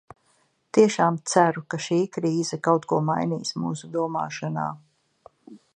Tiešām ceru, ka šī krīze kaut ko mainīs mūsu domāšanā.